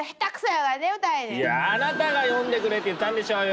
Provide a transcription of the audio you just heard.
いやあなたが読んでくれって言ったんでしょうよ！